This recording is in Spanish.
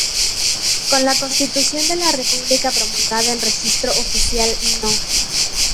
Con la Constitución de la República promulgada en Registro Oficial No.